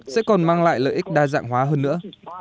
sẽ còn mang lại lợi ích đa dạng hóa hơn nữa